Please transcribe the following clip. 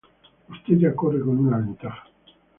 usted ya corre con una ventaja